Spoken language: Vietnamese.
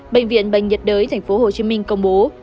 bệnh viện bệnh nhiệt đới tp hcm công bố